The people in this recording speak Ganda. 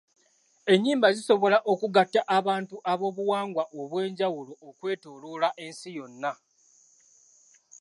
Ennyimba zisobola okugatta abantu ab'obuwangwa obw'enjawulo okwetooloola ensi yonna.